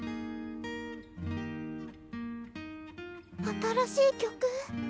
新しい曲。